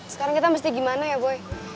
sekarang kita mesti gimana ya boy